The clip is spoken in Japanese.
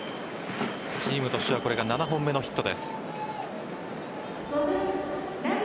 チームとしてはこれが７本目のヒットです。